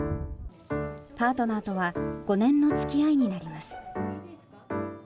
パートナーとは５年の付き合いになります。